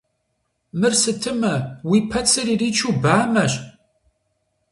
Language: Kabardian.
Мыр сытымэ, уи пэцыр иричу бамэщ!